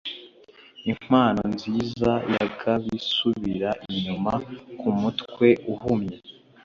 impano nziza ya gab isubira inyuma kumutwe uhumye.